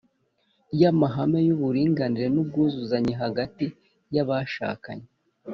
Y amahame y uburinganire n ubwuzuzanye hagati y abashakanye